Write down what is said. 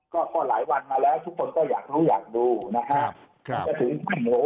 ก็หลายวันมาแล้วทุกคนก็อยากรู้อยากดู